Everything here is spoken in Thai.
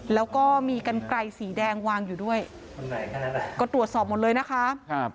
แล้วก็มีกันไกลสีแดงวางอยู่ด้วยก็ตรวจสอบหมดเลยนะคะครับ